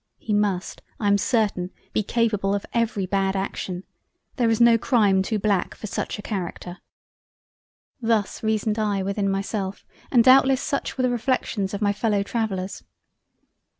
He must I am certain be capable of every bad action! There is no crime too black for such a Character!" Thus reasoned I within myself, and doubtless such were the reflections of my fellow travellers.